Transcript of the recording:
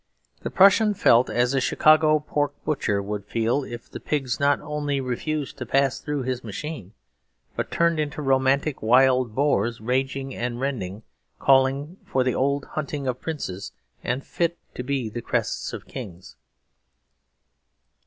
The Prussian felt as a Chicago pork butcher would feel if the pigs not only refused to pass through his machine, but turned into romantic wild boars, raging and rending, calling for the old hunting of princes and fit to be the crests of kings.